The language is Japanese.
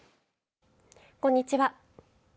こんにちは。